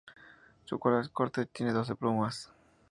Su cola es corta y tiene doce plumas.